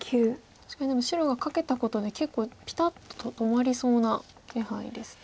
確かにでも白がカケたことで結構ピタッと止まりそうな気配ですね。